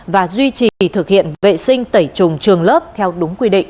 và duy trì thực hiện vệ sinh tẩy trùng trường lớp theo đúng quy định